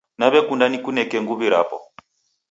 Naw'ekunda nikuneke nguw'I rapo.